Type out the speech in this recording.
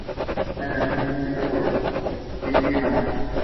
He worked as an actor at the Mayakovsky Theatre.